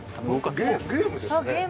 ゲームですね。